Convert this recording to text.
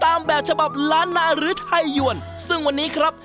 แบบฉบับล้านนาหรือไทยยวนซึ่งวันนี้ครับ